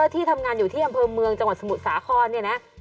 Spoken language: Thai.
ที่ทำงานอยู่ที่อำเภอเมืองจังหวัดสมุทรสาครเนี่ยนะ